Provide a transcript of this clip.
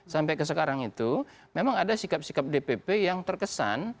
sampai ke sekarang itu memang ada sikap sikap dpp yang terkesan